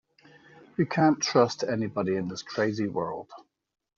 You can't trust anybody in this crazy world.